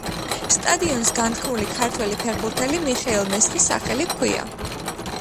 სტადიონს განთქმული ქართველი ფეხბურთელი მიხეილ მესხის სახელი ჰქვია.